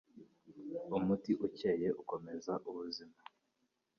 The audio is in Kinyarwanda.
Umutima ukeye ukomeza ubuzima